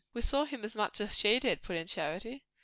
"We saw him as much as she did," put in Charity.